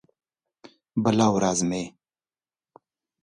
بله ورځ مې